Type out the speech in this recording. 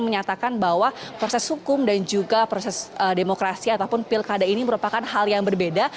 menyatakan bahwa proses hukum dan juga proses demokrasi ataupun pilkada ini merupakan hal yang berbeda